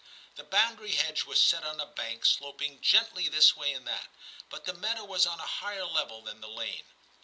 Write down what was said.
The boundary hedge was set on a bank sloping gently this way and that, but the meadow was on a higher level than the lane.